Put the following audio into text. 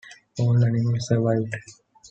All animals survived.